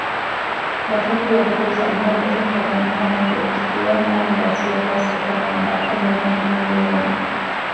ރަށަކީ އަބަދުވެސް އަމާން ރަށެއްކަމުން އަހަރެން ގެޔަށް އައުން ލަސްވިޔަކަސް އެކަމަކާ ބައްޕަ މެންނެއް ނޫޅޭނެ